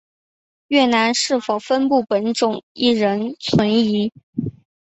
越南是否分布本种亦仍存疑。